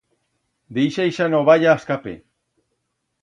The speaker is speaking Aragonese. Deixa ixa novalla ascape.